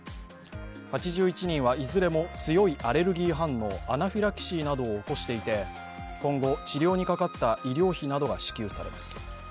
８１人はいずれも強いアレルギー反応、アナフィラキシーなどを起こしていて今後、治療にかかった医療費などが支給されます。